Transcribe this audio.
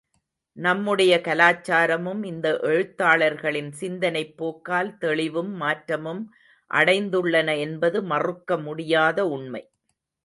நம்முடைய கலாச்சாரமும் இந்த எழுத்தாளர்களின் சிந்தனைப் போக்கால் தெளிவும் மாற்றமும் அடைந்துள்ளன என்பது மறுக்கமுடியாத உண்மை.